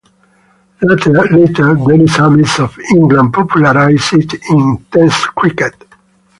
Later Dennis Amiss of England popularised it in Test cricket.